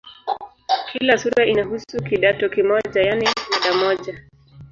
Kila sura inahusu "kidato" kimoja, yaani mada moja.